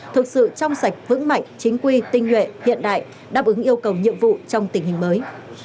thực sự trong sạch vững mạnh chính quy tinh nhuệ hiện đại đáp ứng yêu cầu nhiệm vụ trong tình hình mới